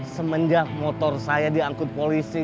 semenjak motor saya diangkut polisi